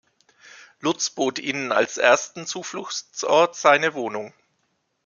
Lutz bot ihnen als ersten Zufluchtsort seine Wohnung.